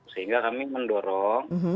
sehingga kami mendorong